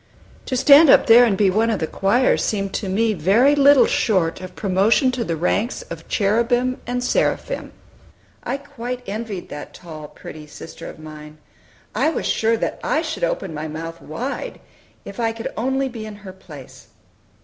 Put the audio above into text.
To stand up there and be one of the choir, seemed to me very little short of promotion to the ranks of cherubim and seraphim. I quite envied that tall, pretty sister of mine. I was sure that I should open my mouth wide, if I could only be in her place.